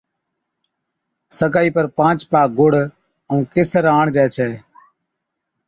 سگائِي پر پانچ پا گُڙ ائُون قيسر آڻجي ڇَي